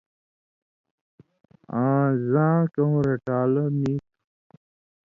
آں زاں کؤں رٹَان٘لو نی تُھو